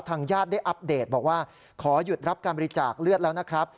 ญาติได้อัปเดตบอกว่าขอหยุดรับการบริจาคเลือดแล้วนะครับ